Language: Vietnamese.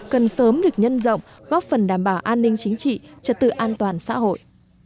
cần sớm được nhân rộng góp phần đảm bảo an ninh chính trị trật tự an toàn xã hội